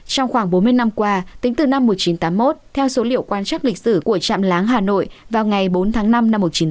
trong khoảng bốn mươi năm qua tính từ năm một nghìn chín trăm tám mươi một theo số liệu quan trắc lịch sử của trạm láng hà nội vào ngày bốn tháng năm năm một nghìn chín trăm bảy mươi